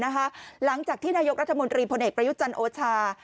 หลังจากที่นายกรัฐมนตรีพลเอกประยุจันทร์โอชา